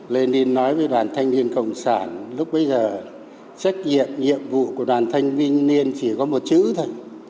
lên đến nói với đoàn thanh niên cộng sản lúc bấy giờ trách nhiệm nhiệm vụ của đoàn thanh niên chỉ có một chữ thôi